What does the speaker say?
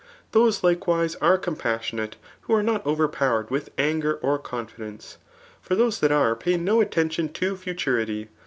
Those likewise are compassionate who are not overpowered with anger or confidence ; for those that are pay no attention to futurity.